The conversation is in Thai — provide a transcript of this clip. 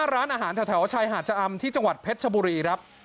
ร้านอาหารแถวชายหาดชะอำที่จังหวัดเพชรชบุรีครับ